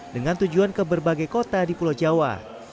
dengan tujuan ke berbagai kota di pulau jawa